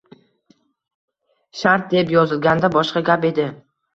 Shart deb yozilganda boshqa gap edi.